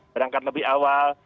berangkat lebih awal